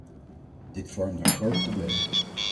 Dit vormde een groot probleem.